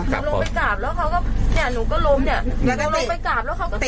กลับพบลงไปกลับแล้วเขาก็เนี้ยหนูก็ล้มเนี้ยแล้วก็เตะ